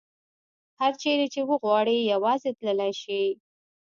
هر چیرې چې وغواړي یوازې تللې شي.